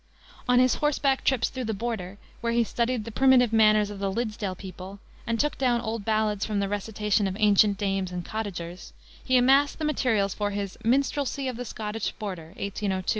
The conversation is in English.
On his horseback trips through the border, where he studied the primitive manners of the Liddesdale people, and took down old ballads from the recitation of ancient dames and cottagers, he amassed the materials for his Minstrelsy of the Scottish Border, 1802.